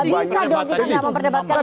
gak bisa dong kita gak memperdebatkan proses